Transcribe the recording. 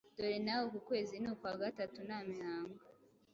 Dore nawe uku kwezi ni ukwa gatatu nta mihango.